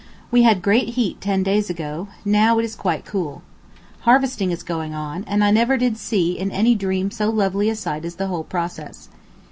We had great heat ten days ago; now it is quite cool. Harvesting is going on, and never did I see in any dream so lovely a sight as the whole process.